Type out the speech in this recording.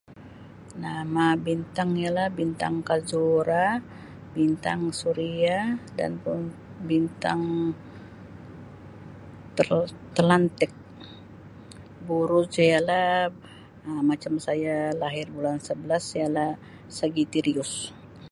Nama bintang ialah bintang kejora, bintang suria dan [unintelligible] bintang te- telantik buruj ialah Um macam saya lahir bulan sebelas ialah sagitarius.